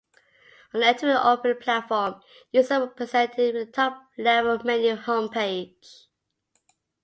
On entering the Open... platform, users were presented with the Top Level Menu homepage.